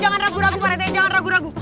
jangan ragu ragu pak rete jangan ragu ragu